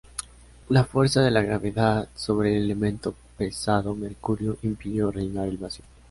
La fuerza de la gravedad sobre el elemento pesado mercurio impidió rellenar el vacío.